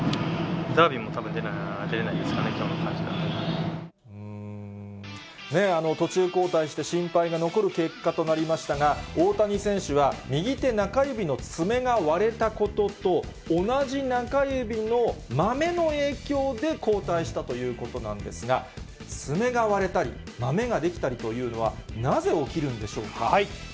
ダービーもたぶん出れないで途中交代して、心配が残る結果となりましたが、大谷選手は、右手中指の爪が割れたことと、同じ中指のまめの影響で交代したということなんですが、爪が割れたりまめが出来たりというのは、なぜ起きるんでしょうか。